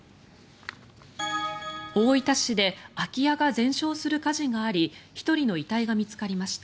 大分市で空き家が全焼する火事があり１人の遺体が見つかりました。